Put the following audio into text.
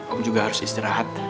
om juga harus istirahat